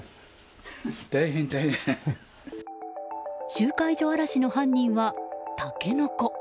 集会所荒らしの犯人はタケノコ。